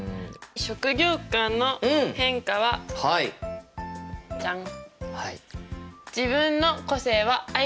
職業観の変化はジャン！